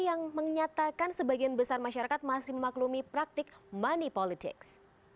yang menyatakan sebagian besar masyarakat masih memaklumi praktik money politics